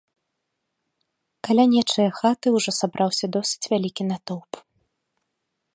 Каля нечае хаты ўжо сабраўся досыць вялікі натоўп.